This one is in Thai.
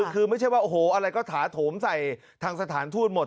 คือไม่ใช่ว่าโอ้โหอะไรก็ถาโถมใส่ทางสถานทูตหมด